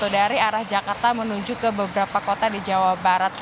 dari arah jakarta menuju ke beberapa kota di jawa barat